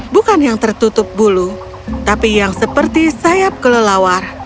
bukan yang tertutup bulu tapi yang seperti sayap kelelawar